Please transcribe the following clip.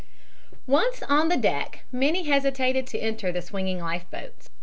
ONCE on the deck, many hesitated to enter the swinging life boats.